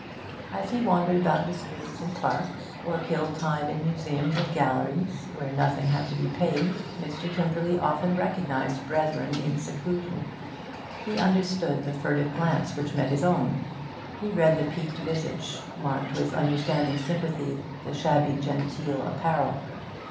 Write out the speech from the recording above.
As he wandered about the streets and parks, or killed time in museums and galleries (where nothing had to be paid), Mr. Tymperley often recognised brethren in seclusion; he understood the furtive glance which met his own, he read the peaked visage, marked with understanding sympathy the shabby genteel apparel.